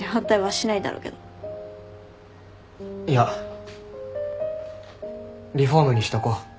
いやリフォームにしとこう。